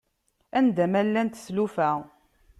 Anda ma llant tlufa.